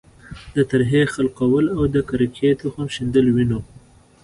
د ترهې خلقول او د کرکې تخم شیندل وینو.